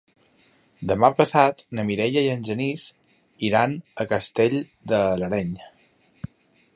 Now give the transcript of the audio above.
Demà passat na Mireia i en Genís iran a Castell de l'Areny.